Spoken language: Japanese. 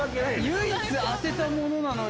唯一当てたものなのに。